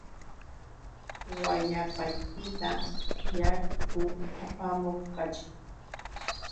Wayapaykita yaku apamuq kachay.